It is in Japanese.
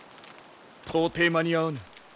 到底間に合わぬ。